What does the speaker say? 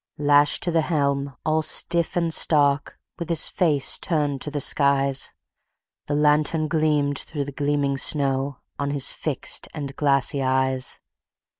Lashed to the helm, all stiff and stark, With his face turned to the skies, The lantern gleamed through the gleaming snow On his fixed and glassy eyes.